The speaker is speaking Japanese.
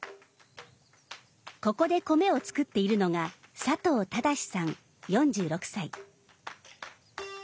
ここで米を作っているのが佐藤貞さん４６歳。